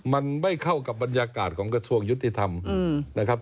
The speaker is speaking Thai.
มันไม่เข้ากับบรรยากาศของกระทรวงยุติธรรมนะครับ